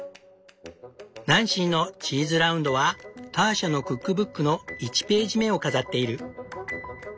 「ナンシーのチーズラウンド」はターシャのクックブックの１ページ目を飾っている。